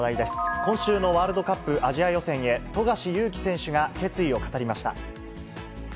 今週のワールドカップアジア予選へ、富樫勇樹選手が決意を語りました。